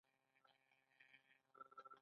دروغجن عمل بد دی.